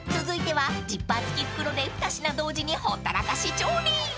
［続いてはジッパー付き袋で２品同時にほったらかし調理］